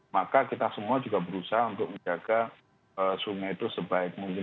maka kita semua juga berusaha untuk menjaga sungai itu sebaik mungkin